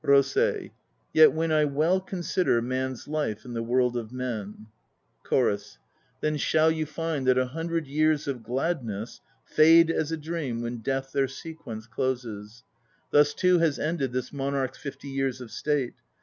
ROSEI. Yet when I well consider Man's life in the world of men ... CHORUS. Then shall you find that a hundred years of gladness Fade as a dream when Death their sequence closes. Thus too has ended This monarch's fifty years of state.